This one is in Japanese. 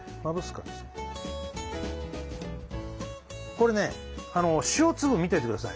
これね塩粒見ててください。